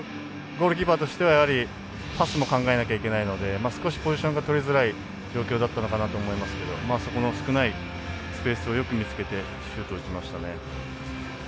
ゴールキーパーとしてはパスも考えなくてはいけないので少しポジションがとりづらい状況だったのかなと思いますけどそこの少ないスペースをよく見つけてシュート打ちました。